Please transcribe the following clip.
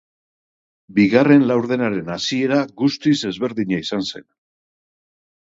Bigarren laurdenaren hasiera guztiz ezberdina izan zen.